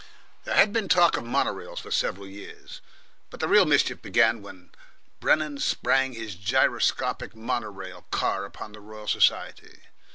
There had been talk of mono rails for several years. But the real mischief began when Brennan sprang his gyroscopic mono rail car upon the Royal Society.